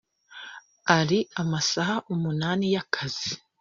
ari amasaha umunani y akazi